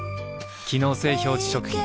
機能性表示食品